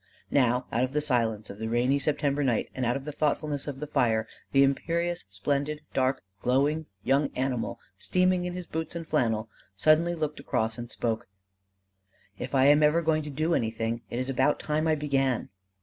Now out of the silence of the rainy September night and out of the thoughtfulness of the fire, the imperious splendid dark glowing young animal steaming in his boots and flannel suddenly looked across and spoke: "If I am ever going to do anything, it is about time I began."